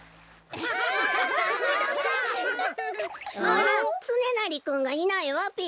あらつねなりくんがいないわべ。